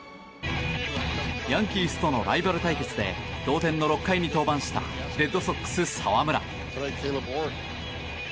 ヤンキースとのライバル対決で同点の６回に登板したレッドソックス澤村。